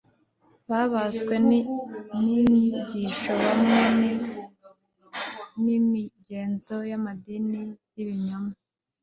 babaswe n'inyigisho hamwe n'imigenzo y'amadini y'ibinyoma